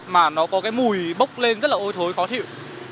mà nó có cái mùi bốc lên rất là ôi thối khó thiệu